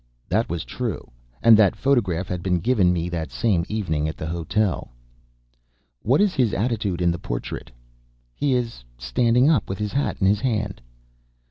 That was true, and that photograph had been given me that same evening at the hotel. "What is his attitude in this portrait?" "He is standing up with his hat in his hand."